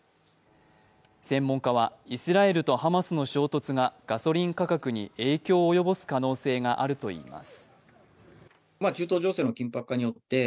専門家はイスラエルとハマスの衝突がガソリン価格に、影響を及ぼす可能性があるといいます。